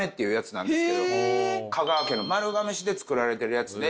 香川県の丸亀市で作られてるやつで。